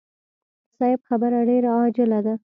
صيب خبره ډېره عاجله ده.